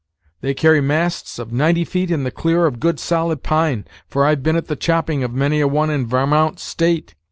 They carry masts of ninety feet in the clear of good solid pine, for I've been at the chopping of many a one in Varmount State.